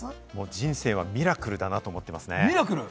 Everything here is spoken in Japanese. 人生はミラクルだなと思ってます。